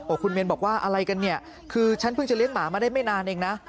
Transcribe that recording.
คุณเมนบอกว่าอะไรกันเนี่ยคือฉันเพิ่งจะเลี้ยหมามาได้ไม่นานเองนะ